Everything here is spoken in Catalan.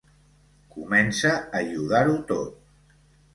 Comença a iodar-ho tot.